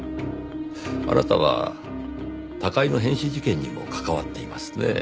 あなたは高井の変死事件にも関わっていますねぇ。